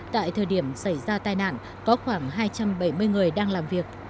tại thời điểm xảy ra tai nạn có khoảng hai trăm bảy mươi người đang làm việc